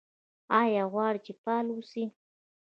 ایا غواړئ چې فعال اوسئ؟